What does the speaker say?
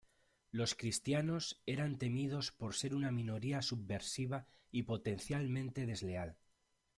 Los cristianos eran temidos por ser una minoría subversiva y potencialmente desleal.